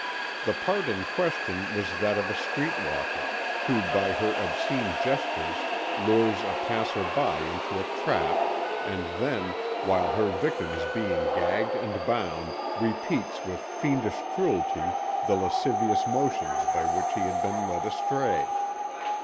The part in question was that of a street walker who by her obscene gestures lures a passer by into a trap, and then, while her victim is being gagged and bound, repeats with fiendish cruelty the lascivious motions by which he had been led astray.